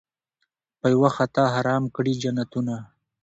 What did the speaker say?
په یوه خطا حرام کړي جنتونه